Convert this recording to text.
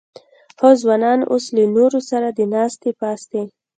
خو ځوانان اوس له نورو سره د ناستې پاستې